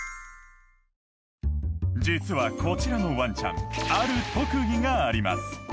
実はこちらのワンちゃんある特技があります